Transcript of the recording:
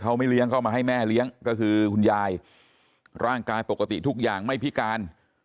เขาไม่เลี้ยงเข้ามาให้แม่เลี้ยงก็คือคุณยายร่างกายปกติทุกอย่างไม่พิการ